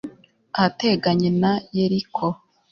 ahateganye na yeriko